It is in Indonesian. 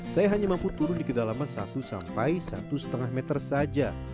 saya hanya mampu turun di kedalaman satu sampai satu lima meter saja